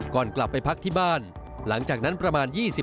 ก่อนกลับไปพักที่บ้านหลังจากนั้นประมาณ๒๐